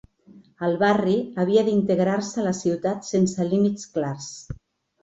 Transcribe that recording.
El barri havia d'integrar-se a la ciutat sense límits clars.